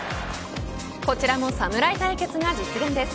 こちらも侍対決が実現です。